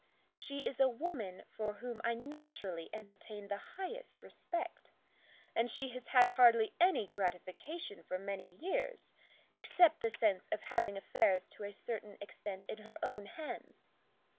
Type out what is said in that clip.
"She is a woman for whom I naturally entertain the highest respect, and she has had hardly any gratification for many years, except the sense of having affairs to a certain extent in her own hands.